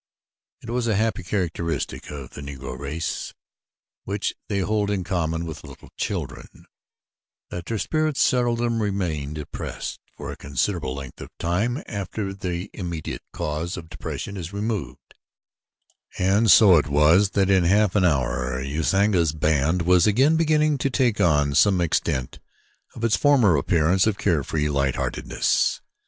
It is a happy characteristic of the Negro race, which they hold in common with little children, that their spirits seldom remain depressed for a considerable length of time after the immediate cause of depression is removed, and so it was that in half an hour Usanga's band was again beginning to take on to some extent its former appearance of carefree lightheartedness.